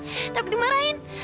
apa takut dimarahin